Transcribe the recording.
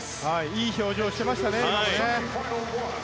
いい表情をしていました。